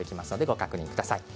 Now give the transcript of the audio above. ご確認ください。